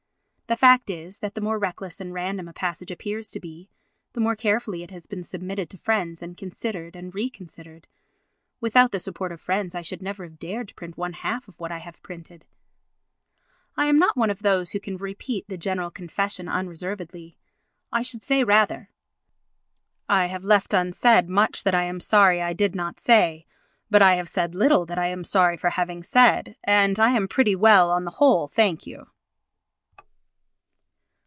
The fact is that the more reckless and random a passage appears to be, the more carefully it has been submitted to friends and considered and re considered; without the support of friends I should never have dared to print one half of what I have printed. I am not one of those who can repeat the General Confession unreservedly. I should say rather: "I have left unsaid much that I am sorry I did not say, but I have said little that I am sorry for having said, and I am pretty well on the whole, thank you."